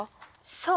そう！